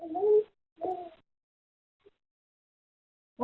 แล้ว๖